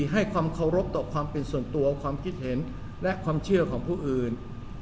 ให้ความเคารพต่อความเป็นส่วนตัวความคิดเห็นและความเชื่อของผู้อื่น